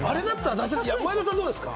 前田さん、どうですか？